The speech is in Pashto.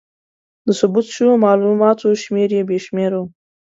د ثبت شوو مالوماتو شمېر بې شمېره و.